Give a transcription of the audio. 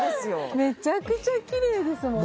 めちゃくちゃきれいですもんね